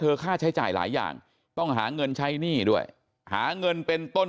ค่าใช้จ่ายหลายอย่างต้องหาเงินใช้หนี้ด้วยหาเงินเป็นต้น